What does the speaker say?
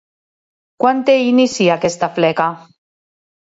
Quan té inici aquesta fleca?